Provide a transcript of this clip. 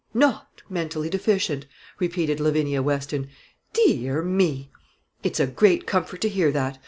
"Not mentally deficient!" repeated Lavinia Weston; "dee ar me! It's a great comfort to hear that.